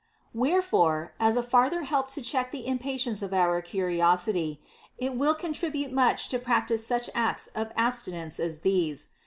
Wherefore, as a farther help to check the impatience of our curiosity, it will contribute much to practise such acts of abstinence as these.